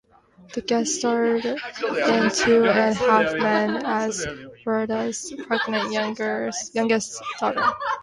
She guest-starred in "Two and a Half Men" as Berta's pregnant youngest daughter.